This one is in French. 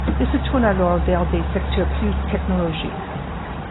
Ils se tournent alors vers des secteurs plus technologiques.